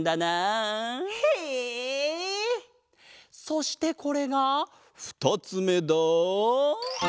そしてこれがふたつめだ！